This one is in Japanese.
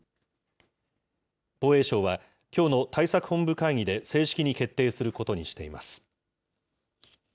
防衛省は、きょうの対策本部会議で正式に決定することにしています。